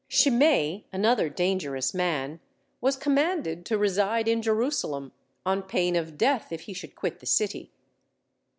Shimei, another dangerous man, was commanded to reside in Jerusalem, on pain of death if he should quit the city.